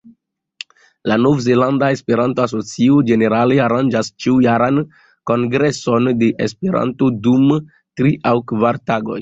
La Nov-Zelanda Esperanto-Asocio ĝenerale aranĝas ĉiujaran kongreson de Esperanto dum tri aŭ kvar tagoj.